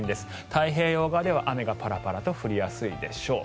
太平洋側では雨がパラパラと降りやすいでしょう。